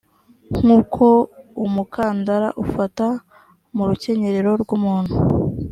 nk uko umukandara ufata mu rukenyerero rw umuntu